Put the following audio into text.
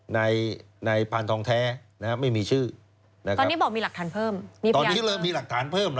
ในภาร์จท